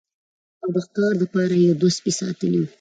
او د ښکار د پاره يې يو دوه سپي ساتلي وو